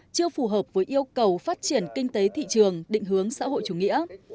chưa phù hợp với yêu cầu phát triển kinh tế thị trường định hướng xã hội chủ nghĩa